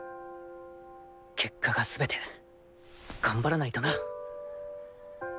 結果が全て頑張らないとな。